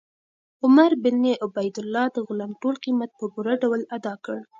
عمر بن عبیدالله د غلام ټول قیمت په پوره ډول ادا کړ.